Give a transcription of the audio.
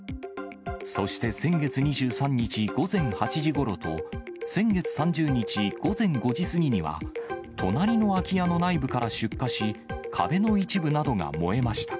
そして先月２３日午前８時ごろと、先月３０日午前５時過ぎには、隣の空き家の内部から出火し、壁の一部などが燃えました。